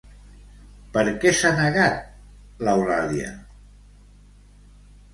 Per què s'ha negat, l'Eulàlia?